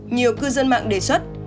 nhiều cư dân mạng đề xuất